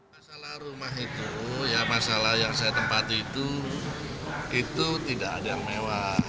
masalah rumah itu ya masalah yang saya tempati itu itu tidak ada yang mewah